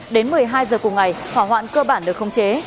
đến một mươi hai giờ cùng ngày hỏa hoạn cơ bản được không chế